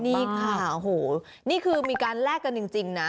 นี่ค่ะโอ้โหนี่คือมีการแลกกันจริงนะ